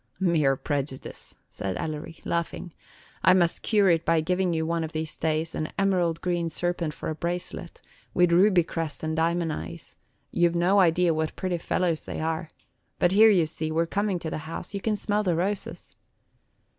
"Mere prejudice," said Ellery, laughing. "I must cure it by giving you, one of these days, an emerald green serpent for a bracelet, with ruby crest and diamond eyes; you 've no idea what pretty fellows they are. But here, you see, we are coming to the house; you can smell the roses."